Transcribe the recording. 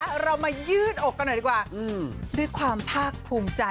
เรามายืดอกกันหน่อยดีกว่าด้วยความภาคภูมิใจ